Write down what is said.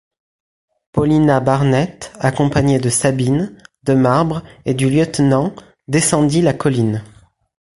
Paulina Barnett, accompagnée de Sabine, de Marbre et du lieutenant, descendit la colline.